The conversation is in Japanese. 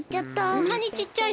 そんなにちっちゃいの？